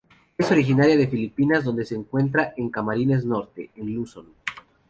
Es originaria de Filipinas donde se encuentra en Camarines Norte, en Luzon.